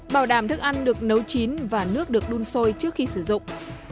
bảo đảm thức ăn được nấu chín và nước được đun sôi trước khi sử dụng